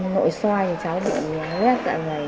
nội xoay thì cháu bị lê tạ dày